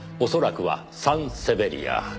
恐らくはサンセベリア。